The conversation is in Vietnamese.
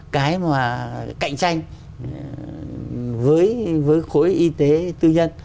cái mà cạnh tranh với khối y tế tư nhân